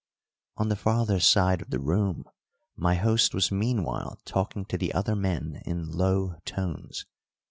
On the farther side of the room my host was meanwhile talking to the other men in low tones.